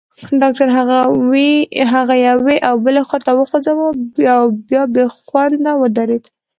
ډاکټر هغه یوې او بلې خواته وخوځاوه، بیا بېخونده ودرېد.